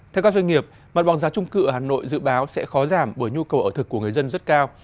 theo các doanh nghiệp mặt bằng giá trung cư ở hà nội dự báo sẽ khó giảm bởi nhu cầu ở thực của người dân rất cao